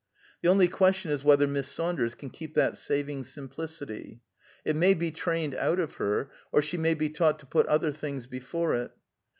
The only question is whether Miss Saunders can keep that saving simplicity. It may be trained out of her, or she may be taught to put other things before it.